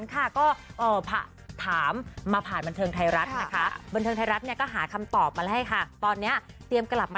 ขออภัยนะคะนี่เปรวยข่าวหรือเปล่า